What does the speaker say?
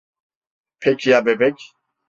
Peki ya bebek?